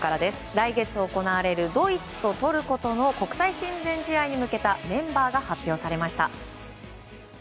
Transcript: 来月、行われるドイツとトルコとの国際親善試合に向けたメンバーが発表されました。